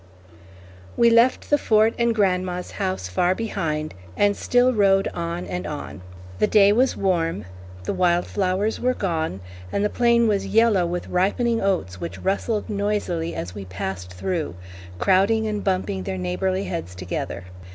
We left the Fort and grandma's house far behind, and still rode on and on. The day was warm, the wild flowers were gone, and the plain was yellow with ripening oats which rustled noisily as we passed through, crowding and bumping their neighborly heads together.